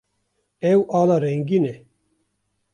Ew ala rengîn e.